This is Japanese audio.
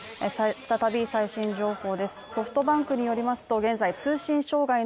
再び、最新情報です。